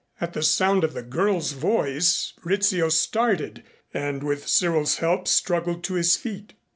At the sound of the girl's voice Rizzio started and with Cyril's help struggled to his feet.